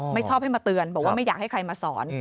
ไม่ชอบให้มาเตือนบอกว่าไม่อยากให้ใครมาสอน